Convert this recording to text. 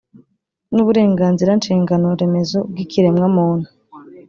ni uburenganzira nshingano remezo bw ikiremwamuntu